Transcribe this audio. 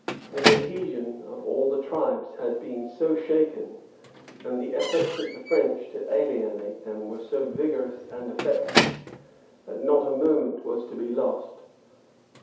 The adhesion of all the tribes had been so shaken, and the efforts of the French to alienate them were so vigorous and effective, that not a moment was to be lost.